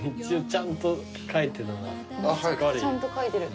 ちゃんと書いてる。